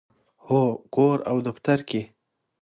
هو، کور او دفتر کې